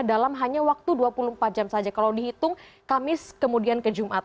dalam hanya waktu dua puluh empat jam saja kalau dihitung kamis kemudian ke jumat